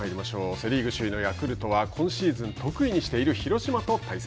セ・リーグ首位のヤクルトは今シーズン得意にしている広島と対戦。